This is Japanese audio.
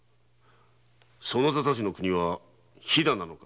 そなたたちの国は飛なのか。